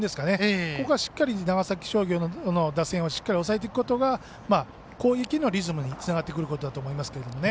ここはしっかり長崎商業の打線をしっかり抑えていくことが攻撃のリズムにつながってくることだと思います。